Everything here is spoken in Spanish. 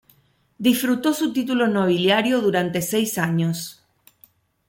Disfrutó su título nobiliario durante seis años.